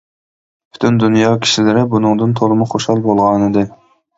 پۈتۈن دۇنيا كىشىلىرى بۇنىڭدىن تولىمۇ خۇشال بولغانىدى.